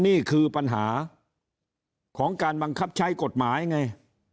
นี่คือปัญหาของการบังคับใช้กฎหมายไง